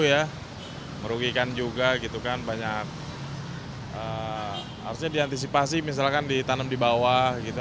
ya merugikan juga gitu kan banyak harusnya diantisipasi misalkan ditanam di bawah gitu